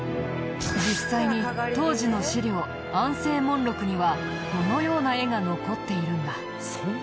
実際に当時の資料『安政聞録』にはこのような絵が残っているんだ。